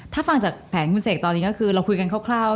ถ้าฟังจากแผนคุณเสกตอนนี้ก็คือเราคุยกันคร่าว